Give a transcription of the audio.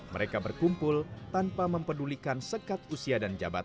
mereka berkumpul tanpa mempedulikan sekat usia dan jabatan